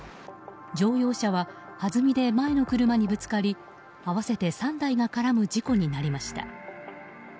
乗用車ははずみで前の車にぶつかり合わせて３台が絡む事故になりました。